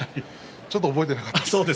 ちょっと覚えていなかったです。